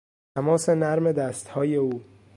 تماس نرم دستهای او